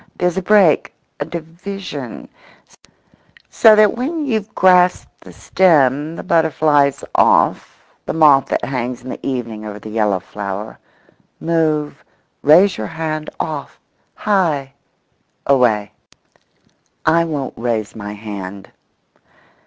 —there's a break—a division—so that when you've grasped the stem the butterfly's off—the moth that hangs in the evening over the yellow flower—move, raise your hand, off, high, away. I won't raise my hand.